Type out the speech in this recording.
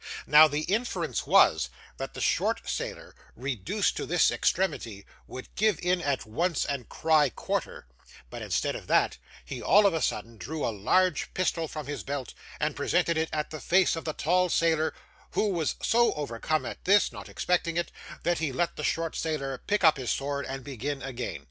Now, the inference was, that the short sailor, reduced to this extremity, would give in at once and cry quarter, but, instead of that, he all of a sudden drew a large pistol from his belt and presented it at the face of the tall sailor, who was so overcome at this (not expecting it) that he let the short sailor pick up his sword and begin again.